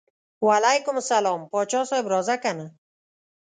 وعلیکم السلام پاچا صاحب راځه کنه.